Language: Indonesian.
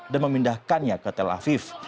dan memindahkannya ke tel aviv